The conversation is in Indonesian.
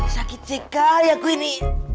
sakit sekali aku ini